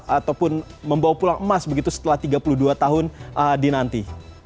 ataupun membawa pulang emas begitu setelah tiga puluh dua tahun dinanti